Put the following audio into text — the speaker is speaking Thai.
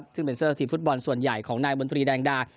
ซึ่งเป็นเสื้อทีมฟุตบอลส่วนใหญ่ของนายมนตรีแดงดา